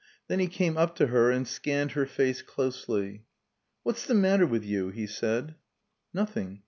Then he came up to her and scanned her face closely. "What's the matter with you?" he said. "Nothing.